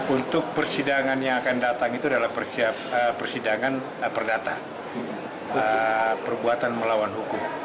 untuk persidangan yang akan datang itu adalah persidangan perdata perbuatan melawan hukum